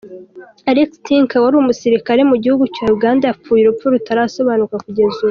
Alex Tinka wari umusirikare mu gihugu cya Uganda, yapfuye urupfu rutarasobanuka kugeza ubu.